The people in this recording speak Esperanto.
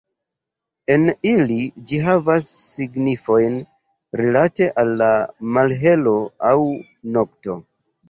En ili ĝi havas signifojn rilate al malhelo aŭ nokto.